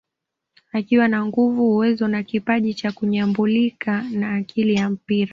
Akiwa na nguvu uwezo na kipaji cha kunyumbulika na akili ya mpira